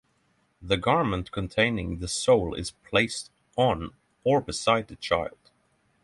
The garment containing the soul is placed on or beside the child.